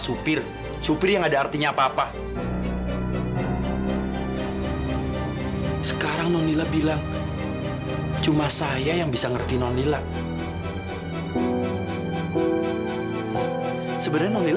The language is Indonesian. jadi mirza dapat yang paling banyak